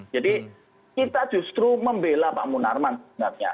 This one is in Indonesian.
jadi kita justru membela pak munarman sebenarnya